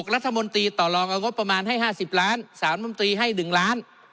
รัฐมนตรีต่อลองเอางบประมาณให้๕๐ล้านสารมนตรีให้๑ล้าน